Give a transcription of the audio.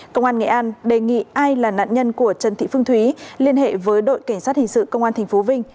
công an nghệ an đề nghị ai là nạn nhân của trần thị phương thúy liên hệ với đội cảnh sát hình sự công an tp vinh